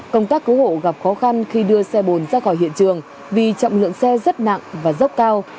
công tác cứu hộ gặp khó khăn khi đưa xe bồn ra khỏi hiện trường vì trọng lượng xe rất nặng và dốc cao